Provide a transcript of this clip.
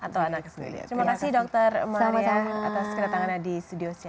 terima kasih dokter malaria atas kedatangannya di studio cnn